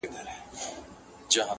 • بیا به هم لمبه د شمعي له سر خېژي..